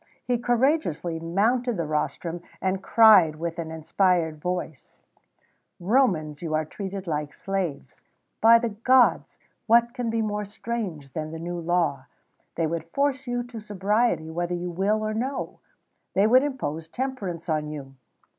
He courageously mounted the rostrum, and cried, with an inspired voice: "Romans! you are treated like slaves. By the gods! what can be more strange than the new law? They would force you to sobriety, whether you will or no! They would impose temperance on you!